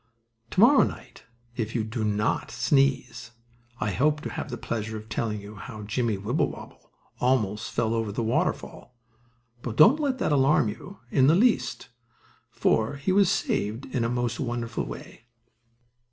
To morrow night if you do not sneeze, I hope to have the pleasure of telling you how Jimmie Wibblewobble almost fell over the waterfall; but don't let that alarm you the least bit, for he was saved in a most wonderful way.